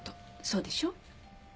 そうでしょ？